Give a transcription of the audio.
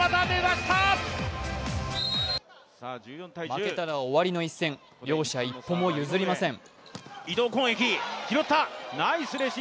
負けたら終わりの一戦、両者一歩も譲りません。